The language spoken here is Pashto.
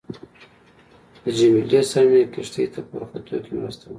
له جميله سره مې کښتۍ ته په ورختو کې مرسته وکړه.